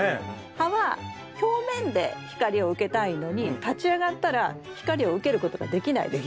葉は表面で光を受けたいのに立ち上がったら光を受けることができないですよね。